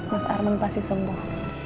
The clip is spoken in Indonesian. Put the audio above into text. mas arman pasti sembuh